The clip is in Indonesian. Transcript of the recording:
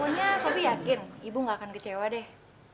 pokoknya suami yakin ibu gak akan kecewa deh